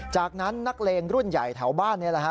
จากนั้นนักเลงรุ่นใหญ่แถวบ้านนี่แหละฮะ